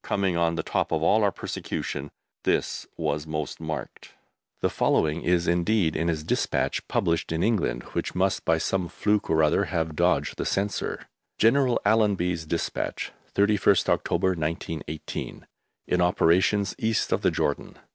Coming on the top of all our persecution, this was most marked. The following is indeed in his despatch published in England, which must by some fluke or other have dodged the Censor: GENERAL ALLENBY'S DESPATCH, 31ST OCTOBER, 1918. In operations east of the Jordan.